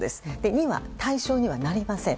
２は対象にはなりません。